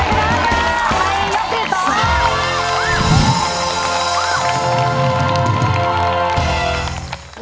ได้มากไปยกสิ่งต่อ